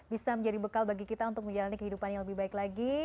bisa menjadi bekal bagi kita untuk menjalani kehidupan yang lebih baik lagi